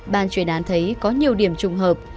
ban chuyển án thấy có nhiều điểm trùng hợp